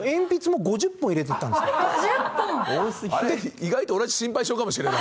意外と同じ心配性かもしれない。